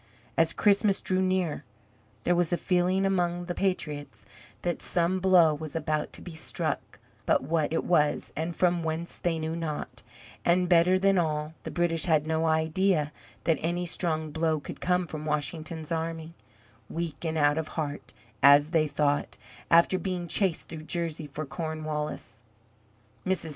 As Christmas drew near there was a feeling among the patriots that some blow was about to be struck; but what it was, and from whence they knew not; and, better than all, the British had no idea that any strong blow could come from Washington's army, weak and out of heart, as they thought, after being chased through Jersey by Cornwallis. Mrs.